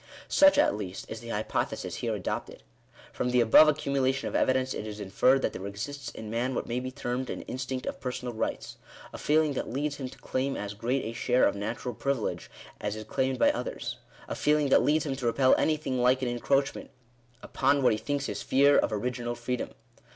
Such, at least, is the hypothesis here adopted. From the above accumulation of evidence it is inferred that there exists in man what may be termed an instinct of personal rights— a feeling that leads him to claim as great a share of natural, privilege as is claimed by others — a feeling that leads him to repel anything like an encroachment upon what he thinks his sphere of original freedom.